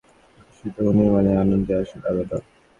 হোক এটা বোকার আনন্দ, বোকার খুশি, তবু নির্মাণের আনন্দই আসলে আলাদা।